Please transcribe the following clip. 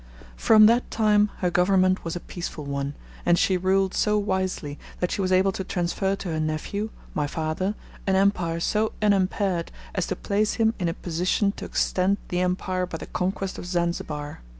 From that time her Government was a peaceful one, and she ruled so wisely that she was able to transfer to her nephew, my father, an empire so unimpaired as to place him in a position to extend the empire by the conquest of Zanzibar.